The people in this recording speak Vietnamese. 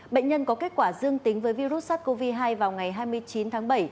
bệnh nhân có kết quả dương tính với virus sars cov hai vào ngày hai mươi chín tháng bảy